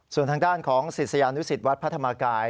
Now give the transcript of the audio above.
ส่วนทางด้านของศิษยานุสิตวัดพระธรรมกาย